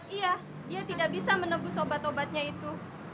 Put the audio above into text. iya dia tidak bisa menebus obat obatnya itu